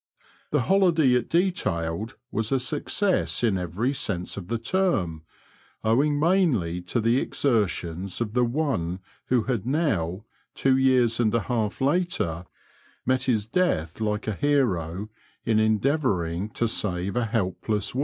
The holiday it detailed was a success in every sense of the term, owing mainly to the exertions of the one who had now, two years and a half later, met his death like a hero in endeavouring to save a helpless woman.